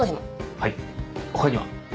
はい他には？